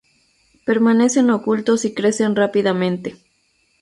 Permanecen ocultos y crecen rápidamente.